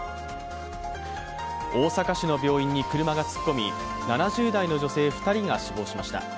大阪市の病院に車が突っ込み、７０代の女性２人が死亡しました。